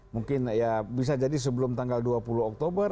mungkin ya bisa jadi sebelum tanggal dua puluh oktober